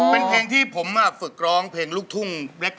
เป็นเพลงที่ผมฝึกร้องเพลงลุกทุ่งแรกเหมือนกัน